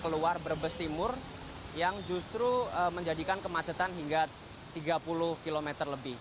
ada juga lancar yang menyebabkan pintu keluar brebes timur yang justru menjadikan kemacetan hingga tiga puluh km lebih